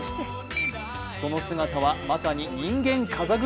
その姿はまさに人間風車。